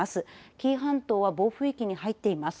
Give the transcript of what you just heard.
紀伊半島は暴風域に入っています。